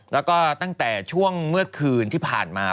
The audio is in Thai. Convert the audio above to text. แล้วก็ตั้งแต่ช่วงเมื่อคืนที่ผ่านมา